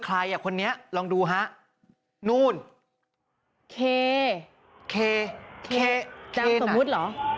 ใครอ่ะคนเนี้ยลองดูนะนู้นนะจังสมวตหรอ